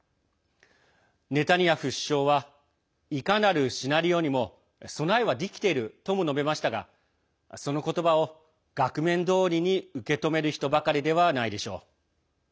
ネタニヤフ首相はいかなるシナリオにも備えはできているとも述べましたがその言葉を額面どおりに受け止める人ばかりではないでしょう。